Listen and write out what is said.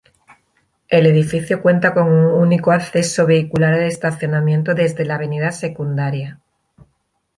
El edificio cuenta con un único acceso vehicular al estacionamiento desde la avenida secundaria.